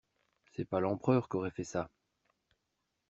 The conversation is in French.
C'est pas l'Empereur qu'aurait fait ça!